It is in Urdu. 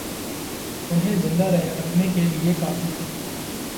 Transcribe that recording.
انہیں زندہ رکھنے کے لیے کافی تھا